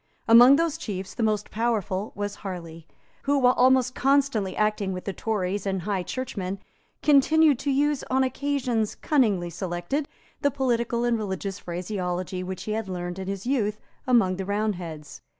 Among those chiefs the most powerful was Harley, who, while almost constantly acting with the Tories and High Churchmen, continued to use, on occasions cunningly selected, the political and religious phraseology which he had learned in his youth among the Roundheads.